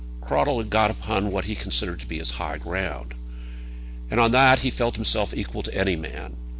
Cradell had got upon what he considered to be his high ground. And on that he felt himself equal to any man.